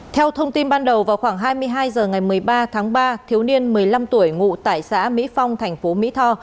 theo thông tin ban đầu vào khoảng hai mươi hai h ngày một mươi ba tháng ba thiếu niên một mươi năm tuổi ngụ tại xã mỹ phong thành phố mỹ tho